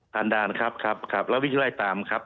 ผ่านด่านครับครับครับแล้ววิธีไล่ตามครับ